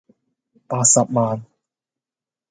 八十萬